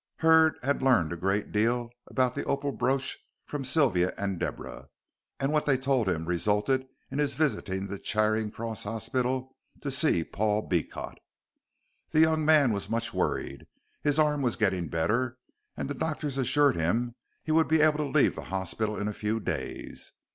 Hurd had learned a great deal about the opal brooch from Sylvia and Deborah, and what they told him resulted in his visiting the Charing Cross Hospital to see Paul Beecot. The young man was much worried. His arm was getting better, and the doctors assured him he would be able to leave the hospital in a few days.